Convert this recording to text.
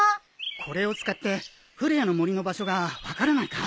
これを使ってふるやのもりの場所が分からないか？